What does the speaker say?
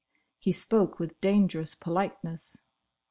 He spoke with dangerous politeness.